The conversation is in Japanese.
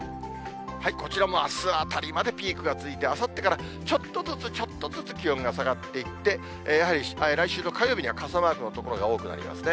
こちらもあすあたりまでピークが続いて、あさってから、ちょっとずつ、ちょっとずつ気温が下がっていって、やはり来週の火曜日には、傘マークの所が多くなりますね。